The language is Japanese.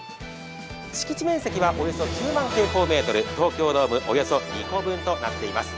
敷地面積はおよそ９万平方メートル東京ドームおよそ２個分となっています。